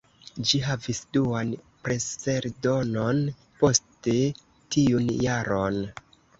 Ĝi havis duan preseldonon poste tiun jaron.